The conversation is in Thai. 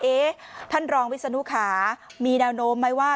ท่านรองวิศนุขามีแนวโน้มไหมว่า